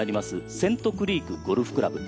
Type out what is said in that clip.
セントクリークゴルフクラブ。